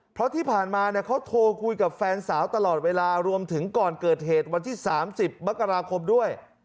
เพราะที่ผ่านมาเขาโทรคุยกับแฟนสาวตลอดเวลารวมถึงก่อนเกิดเหตุวันที่๓๐มกราคมด้วย